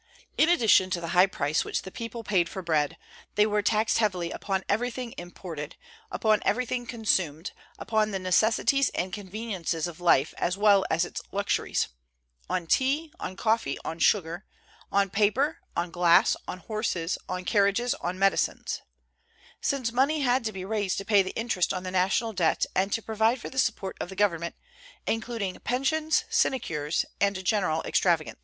In addition to the high price which the people paid for bread, they were taxed heavily upon everything imported, upon everything consumed, upon the necessities and conveniences of life as well as its luxuries, on tea, on coffee, on sugar, on paper, on glass, on horses, on carriages, on medicines, since money had to be raised to pay the interest on the national debt and to provide for the support of the government, including pensions, sinecures, and general extravagance.